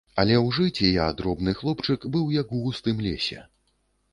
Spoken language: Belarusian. Але ў жыце я, дробны хлопчык, быў як у густым лесе.